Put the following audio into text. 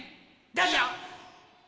どうぞ！